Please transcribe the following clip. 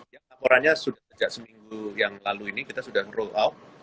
ya laporannya sudah sejak seminggu yang lalu ini kita sudah roll out